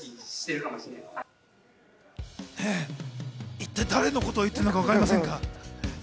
一体、誰のことを言っているのかわかりませんが。